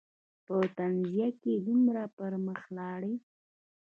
په تنزیه کې دومره پر مخ لاړل.